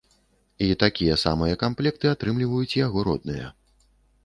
І такія самыя камплекты атрымліваюць яго родныя.